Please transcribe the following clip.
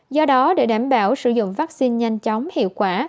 do đó để đảm bảo sử dụng vaccine nhanh chóng hiệu quả